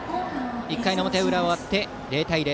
１回の表裏終わって０対０。